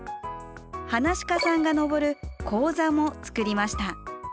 噺家さんが上る高座も作りました。